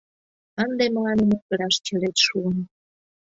Ынде мыланем ойгыраш черет шуын...